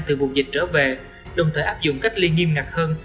từ vùng dịch trở về đồng thời áp dụng cách ly nghiêm ngặt hơn